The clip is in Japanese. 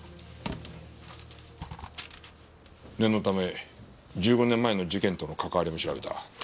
念のため１５年前の事件との関わりも調べた。